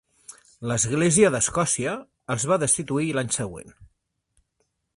L'església d'Escòcia els va destituir l'any següent.